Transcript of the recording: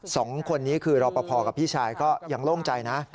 สองคนนี้คือรอปภกับพี่ชายก็ยังโล่งใจนะ